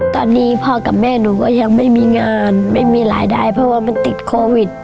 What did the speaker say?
ตอนนี้พ่อกับแม่หนูก็ยังไม่มีงานไม่มีรายได้เพราะว่ามันติดโควิด